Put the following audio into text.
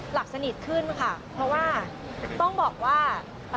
หลับสนิทขึ้นค่ะเพราะว่าต้องบอกว่า